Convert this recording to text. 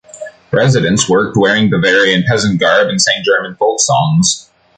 Residents worked wearing Bavarian peasant garb and sang German folk songs.